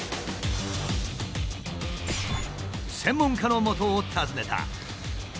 専門家のもとを訪ねた。